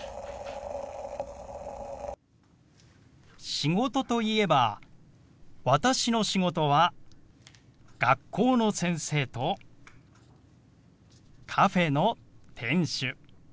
「仕事」といえば私の仕事は学校の先生とカフェの店主。